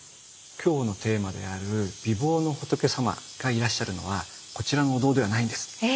今日のテーマである美貌の仏様がいらっしゃるのはこちらのお堂ではないんです。